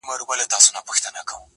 ددې ښايستې نړۍ بدرنگه خلگ~